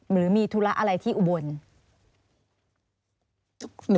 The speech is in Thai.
หรือมีธุระอะไรที่อุบล